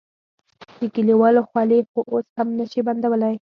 د کليوالو خولې خو اوس هم نه شې بندولی.